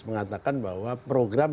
mengatakan bahwa program